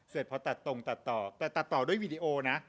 เสร็จพอตัดตรงตัดต่อแต่ตัดต่อด้วยวีดีโอนะ